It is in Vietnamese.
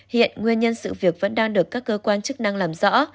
hiện nguyên nhân sự việc vẫn đang được các cơ quan chức năng làm rõ